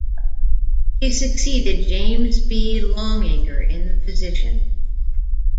He succeeded James B. Longacre in the position.